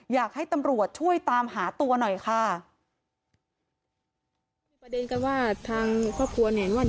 อยากให้ตำรวจช่วยตามหาตัวหน่อยค่ะประเด็นกันว่าทางครอบครัวเนี่ย